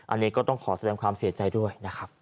อันนี้ก็ต้องขอแสดงความเสียใจด้วยนะครับ